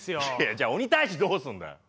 じゃあ鬼退治どうすんだよ。